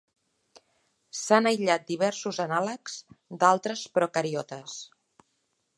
S'han aïllat diversos anàlegs d'altres procariotes.